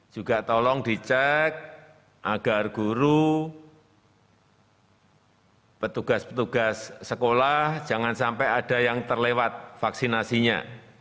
juga tolong dicek agar guru petugas petugas sekolah jangan sampai ada yang terlewat vaksinasinya